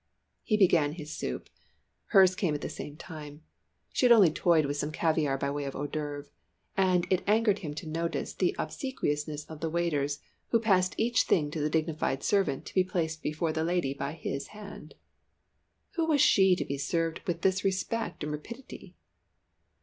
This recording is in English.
He began his soup hers came at the same time; she had only toyed with some caviare by way of hors d'oeuvre, and it angered him to notice the obsequiousness of the waiters, who passed each thing to the dignified servant to be placed before the lady by his hand. Who was she to be served with this respect and rapidity?